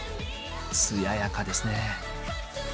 艶やかですね。